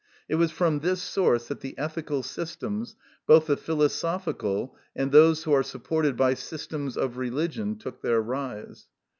It was from this source that the ethical systems, both the philosophical and those which are supported by systems of religion, took their rise.